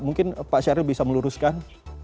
mungkin pak syahril bisa meluruskan